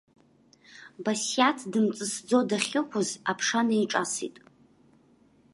Басиаҭ дымҵысӡо дахьықәыз аԥша неиҿасит.